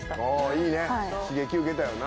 いいね刺激受けたよな。